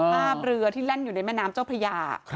ภาพเรือที่แล่นอยู่ในแม่น้ำเจ้าพระยา